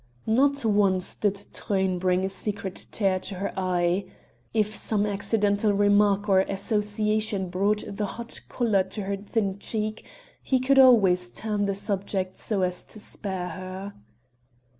Not once did Truyn bring a secret tear to her eye; if some accidental remark or association brought the hot color to her thin cheek he could always turn the subject so as to spare her.